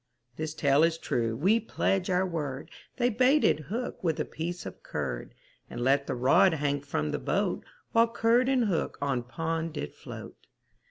This tale is true we pledge our word, They baited hook with a piece of curd, And let the rod hang from the boat, While curd and hook on pond did float.